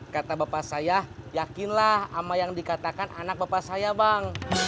kata bapak saya yakinlah sama yang dikatakan anak bapak saya bang